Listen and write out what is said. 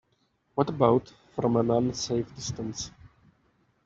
What about from an unsafe distance?